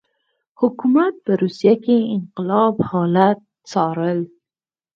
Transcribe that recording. حکومت په روسیه کې انقلاب حالات څارل.